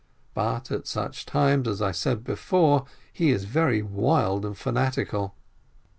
But at such times, as I said before, he is very wild and fanatical.